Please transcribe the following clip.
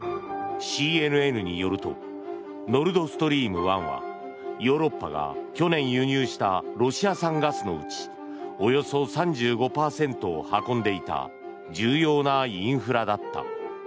ＣＮＮによるとノルドストリーム１はヨーロッパが去年輸入したロシア産ガスのうちおよそ３５％を運んでいた重要なインフラだった。